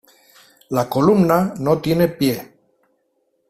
La columna no tiene pie.